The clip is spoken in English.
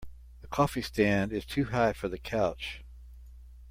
The coffee stand is too high for the couch.